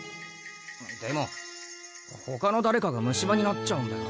でもほかのだれかが虫歯になっちゃうんだよな？